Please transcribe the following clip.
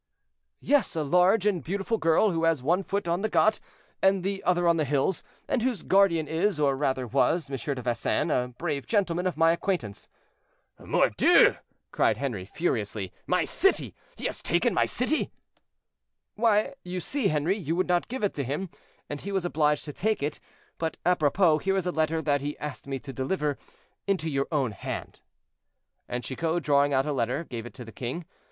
"Yes, a large and beautiful girl, who has one foot on the Got, and the other on the hills, and whose guardian is, or rather was, M. de Vesin, a brave gentleman of my acquaintance." "Mordieu!" cried Henri, furiously, "my city! he has taken my city." "Why, you see, Henri, you would not give it to him, and he was obliged to take it. But, apropos, here is a letter that he asked me to deliver into your own hand." And Chicot, drawing out a letter, gave it to the king.